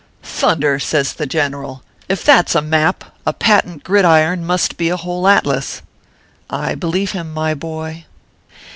" Thunder !" says the general " if that s a map, a patent gridiron must be a whole atlas." I believe him, my boy